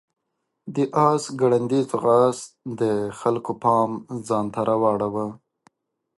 د آس ګړندی ځغاست د خلکو پام ځان ته راواړاوه.